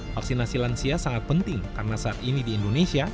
vaksinasi lansia sangat penting karena saat ini di indonesia